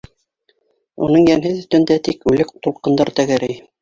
Уның йәнһеҙ өҫтөндә тик үлек тулҡындар тәгәрәй.